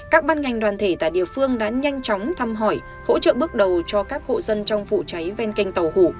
các ban ngành đoàn thể tại địa phương đã nhanh chóng thăm hỏi hỗ trợ bước đầu cho các hộ dân trong vụ cháy ven kênh tàu hủ